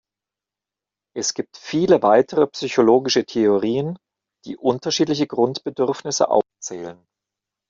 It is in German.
Es gibt viele weitere psychologische Theorien, die unterschiedliche Grundbedürfnisse aufzählen.